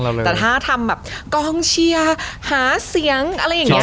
แล้วเริ่มทำกองเชียร์หาเสียงอะไรอย่างงี้